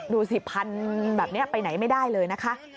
ดูสิพันแบบนี้ไปไหนไม่ได้เลยนะคะ